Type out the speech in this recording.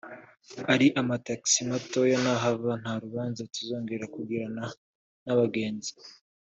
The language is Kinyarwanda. Ari amatagisi matoya nahava nta rubanza tuzongera kugirana n’abagenzi